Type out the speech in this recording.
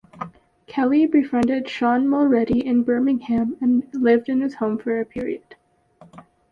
Kelly befriended Sean Mulready in Birmingham and lived in his home for a period.